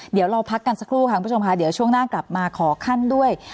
เดี๋ยวเราพักกันสักครู่ค่ะคุณผู้ชมค่ะเดี๋ยวช่วงหน้ากลับมาขอขั้นด้วย